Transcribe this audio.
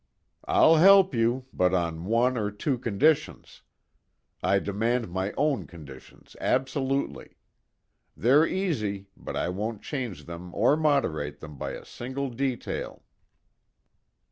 "I'll help you, but on one or two conditions. I demand my own conditions absolutely. They're easy, but I won't change them or moderate them by a single detail."